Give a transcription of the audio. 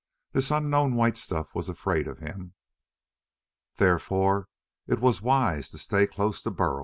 This unknown white stuff was afraid of him. Therefore it was wise to stay close to Burl.